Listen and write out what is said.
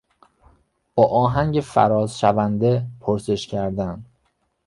با آهنگ فرازشونده پرسش کردن